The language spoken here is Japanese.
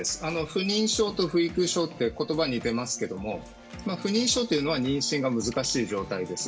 不妊症と不育症って言葉は似ていますけど不妊症というのは妊娠が難しい状態です。